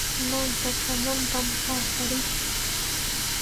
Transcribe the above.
Manka hananpam paasarish.